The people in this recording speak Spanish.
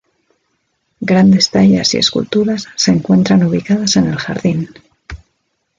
Grandes tallas y esculturas se encuentran ubicadas en el jardín.